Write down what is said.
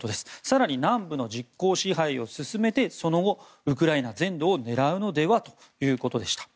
更に南部の実効支配を進めてその後、ウクライナ全土を狙うのではということでした。